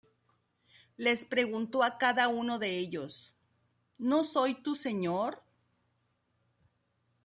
Les preguntó a cada uno de ellos: "¿No soy tu señor?